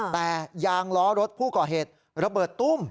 แต่ยางล้อรถผู้ก่อเหตุระเบิดตุ้ม